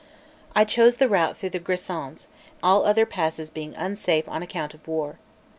XCV I CHOSE the route through the Grisons, all other passes being unsafe on account of war.